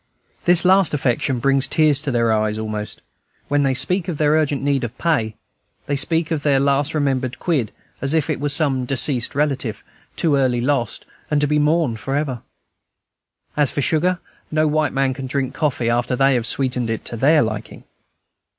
This last affection brings tears to their eyes, almost, when they speak of their urgent need of pay; they speak of their last remembered quid as if it were some deceased relative, too early lost, and to be mourned forever. As for sugar, no white man can drink coffee after they have sweetened it to their liking.